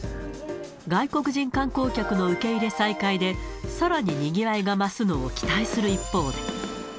外国人観光客の受け入れ再開で、さらににぎわいが増すのを期待する一方で。